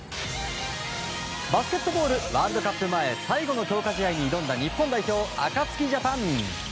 バスケットボールワールドカップ前最後の強化試合に挑んだ日本代表アカツキジャパン。